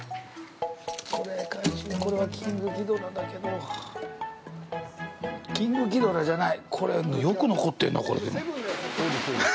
これ、怪獣、これはキングキドラだけどキングキドラじゃない。